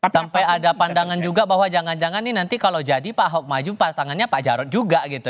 sampai ada pandangan juga bahwa jangan jangan nih nanti kalau jadi pak ahok maju pasangannya pak jarod juga gitu